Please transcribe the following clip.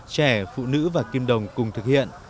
trẻ phụ nữ và kim đồng cùng thực hiện